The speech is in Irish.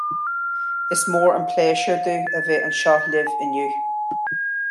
Is mór an pléisiúr dom a bheith anseo libh inniu